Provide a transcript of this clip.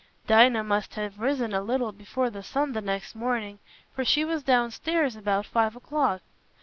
Dinah must have risen a little before the sun the next morning, for she was downstairs about five o'clock.